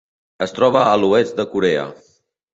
Es troba a l'oest de Corea.